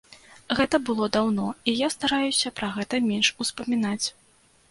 Гэта было даўно, і я стараюся пра гэта менш успамінаць.